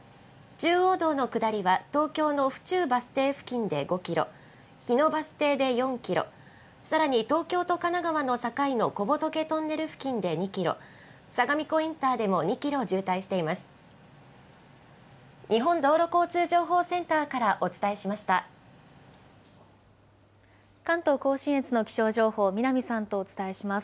中央道の下りは東京の府中バス停付近で５キロ、日野バス停で４キロ、さらに東京と神奈川の境の小仏トンネル付近で２キロ、相模湖インターでも２キロ渋滞しています。